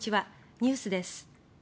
ニュースです。